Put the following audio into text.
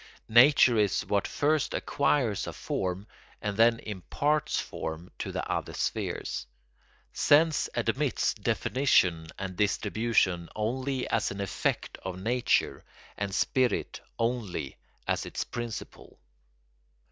Nature is what first acquires a form and then imparts form to the other spheres. Sense admits definition and distribution only as an effect of nature and spirit only as its principle.